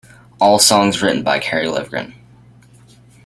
All songs written by Kerry Livgren.